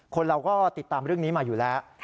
คนเราก็ติดตามเรื่องนี้มาอยู่แล้ว